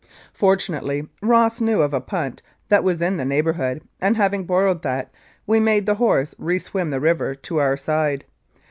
Fortunately, Ross knew of a punt that was in the neighbourhood, and having borrowed that, we made the horse re swim the river to our side.